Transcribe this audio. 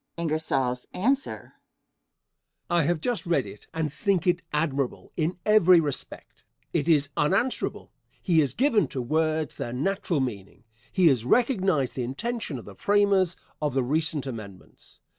Answer. I have just read it and think it admirable in every respect. It is unanswerable. He has given to words their natural meaning. He has recognized the intention of the framers of the recent amendments.